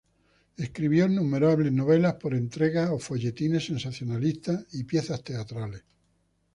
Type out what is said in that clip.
Escribió innumerables novelas por entregas o folletines sensacionalistas y piezas teatrales.